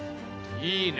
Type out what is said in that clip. いいね。